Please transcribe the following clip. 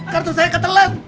kartu saya ketelan